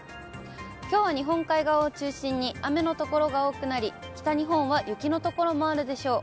きょうは日本海側を中心に雨の所が多くなり、北日本は雪の所もあるでしょう。